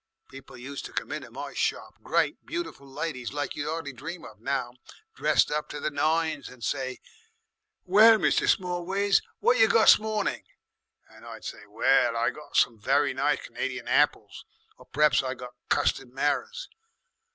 People used to come into my shop, great beautiful ladies like you'd 'ardly dream of now, dressed up to the nines, and say, 'Well, Mr. Smallways, what you got 'smorning?' and I'd say, 'Well, I got some very nice C'nadian apples, 'or p'raps I got custed marrers.